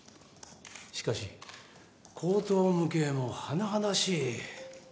しかし荒唐無稽も甚だしい。